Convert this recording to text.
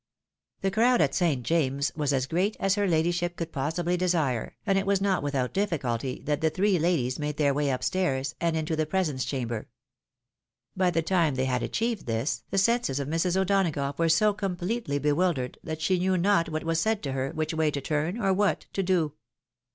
The crowd at St. James's was as great as her Jadyship could possibly desire, and it was not without difficulty that the three ladies mg,de their way up stairs, and into the presence chamber. By the time they had achieved this, the senses of Mrs. O'Dona gough were so completely bewildered, that she knew not what was said to her, which way to turn, or what to do.